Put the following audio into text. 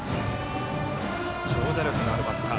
長打力のあるバッター。